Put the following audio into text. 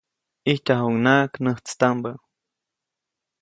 ʼIjtyajuʼuŋnaʼak näjtstaʼmbä.